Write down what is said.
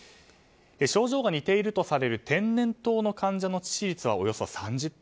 症状が似ているとされる天然痘の患者の致死率はおよそ３０％。